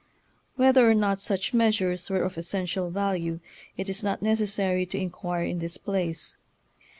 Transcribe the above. Whether or not such measures were of essential value, it is not necessary to in quire in this place.